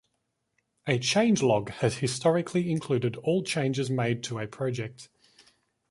A changelog has historically included all changes made to a project.